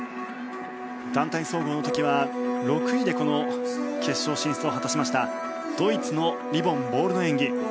団体総合の時は６位で決勝進出を果たしましたドイツのリボン・ボールの演技。